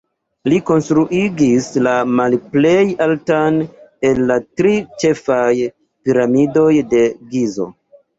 Li konstruigis la malplej altan el la tri ĉefaj Piramidoj de Gizo.